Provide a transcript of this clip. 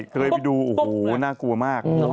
เคยไปดูโอ้โหน่ากลัวมาก